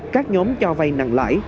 các nhóm cho vay nặng lãi